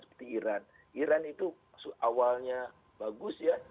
setir antiran itu pasuk awalnya bagus ya